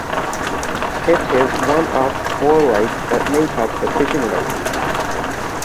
It is one of four lakes that make up the Fishing Lakes.